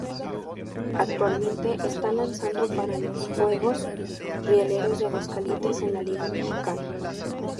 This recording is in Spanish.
Actualmente está lanzando para los Rieleros de Aguascalientes en la Liga Mexicana.